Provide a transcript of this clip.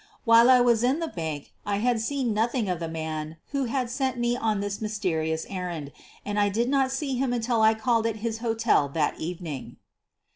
While I was in the bank I had seen nothing of the man who had sent me on this mysterious errand, and I did not see him until I called at his hotel that evening.